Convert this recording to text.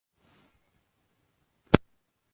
আমি জানি, জামিন বাতিল হয়েছে।